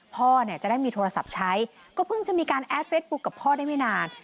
พ่อเนี่ยจะได้มีโทรศัพท์ใช้ก็เพิ่งจะมีการแอดเฟสบุ๊คกับพ่อได้ไม่นาน